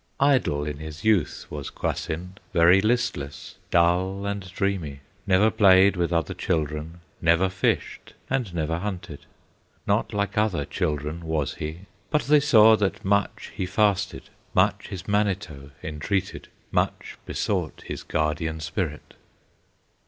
Idle in his youth was Kwasind, Very listless, dull, and dreamy, Never played with other children, Never fished and never hunted, Not like other children was he; But they saw that much he fasted, Much his Manito entreated, Much besought his Guardian Spirit.